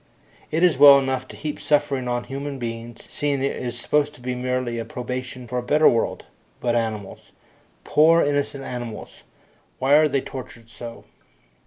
It is well enough to heap suffering on human beings, seeing it is supposed to be merely a probation for a better world, but animals poor, innocent animals why are they tortured so?